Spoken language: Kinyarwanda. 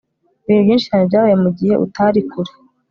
Ibintu byinshi byabaye mugihe utari kure